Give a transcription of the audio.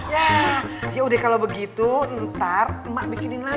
ya yaudah kalo begitu ntar emak bikinin lagi ya